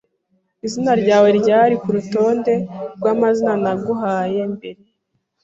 Izina ryawe ryari kurutonde rwamazina naguhaye mbere?